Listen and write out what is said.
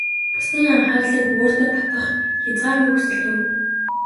Бусдын анхаарлыг өөртөө татах хязгааргүй хүсэл төрөв.